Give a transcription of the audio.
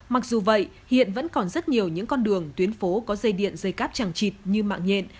mặc dù vậy hiện vẫn còn rất nhiều những con đường tuyến phố có dây điện dây cáp chẳng chịt như mạng nhện